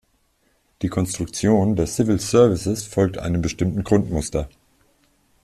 Die Konstruktion der Civil Services folgt einem bestimmten Grundmuster.